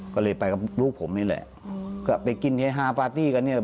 ก็เลยไปกับลูกผมนี่แหละก็ไปกินเฮฮาปาร์ตี้กันนี่แหละ